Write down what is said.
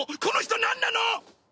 この人なんなの！？